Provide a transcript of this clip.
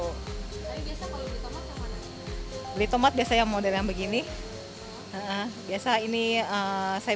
hai bisa kalau ditempat yang mana di tomat biasa yang model yang begini biasa ini saya